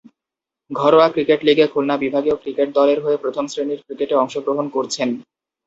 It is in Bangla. ঘরোয়া ক্রিকেট লীগে খুলনা বিভাগীয় ক্রিকেট দলের হয়ে প্রথম-শ্রেণীর ক্রিকেটে অংশগ্রহণ করছেন।